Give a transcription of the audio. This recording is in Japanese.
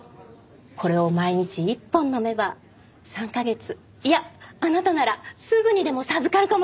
これを毎日１本飲めば３カ月いやあなたならすぐにでも授かるかもしれない！